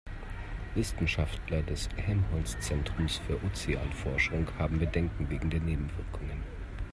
Wissenschaftler des Helmholtz-Zentrums für Ozeanforschung haben Bedenken wegen der Nebenwirkungen.